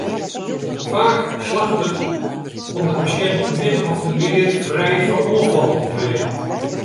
Faak slagget it om de pasjint min ofte mear frij fan oanfallen te krijen.